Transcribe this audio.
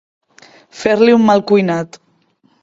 Fer-li un mal cuinat.